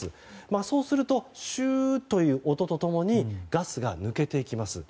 そうすると、シューという音と共にガスが抜けていきます。